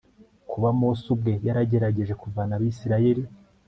Kuba Mose ubwe yaragerageje kuvana Abisirayeli